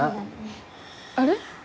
あれ？